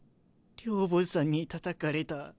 寮母さんにたたかれた。